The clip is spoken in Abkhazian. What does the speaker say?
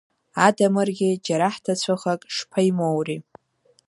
Адамыргьы џьара хҭацәыхак шԥаимоури?